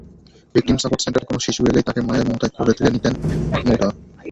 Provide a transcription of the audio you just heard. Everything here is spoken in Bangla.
ভিকটিম সাপোর্ট সেন্টারে কোনো শিশু এলেই তাকে মায়ের মমতায় কোলে তুলে নিতেন মাহমুদা।